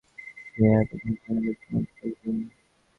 তিনি প্রথম কয়েকজন ব্যক্তির মধ্যে একজন।